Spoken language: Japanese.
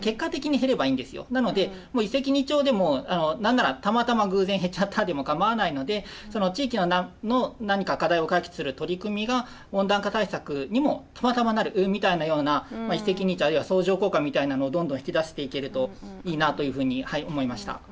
なのでもう一石二鳥でも何ならたまたま偶然減っちゃったでも構わないのでその地域の何か課題を解決する取り組みが温暖化対策にもたまたまなるみたいなような一石二鳥あるいは相乗効果みたいなのをどんどん引き出していけるといいなというふうに思いました。